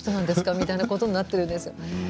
みたいなことになっているんですよ。